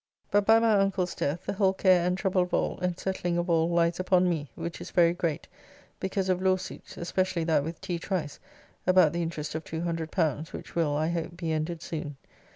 But, by my uncle's death, the whole care and trouble of all, and settling of all lies upon me, which is very great, because of law suits, especially that with T. Trice, about the interest of L200, which will, I hope, be ended soon.